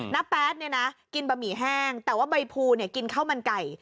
แป๊ดเนี่ยนะกินบะหมี่แห้งแต่ว่าใบภูกินข้าวมันไก่